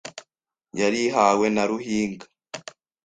Yarihawe na Ruhiga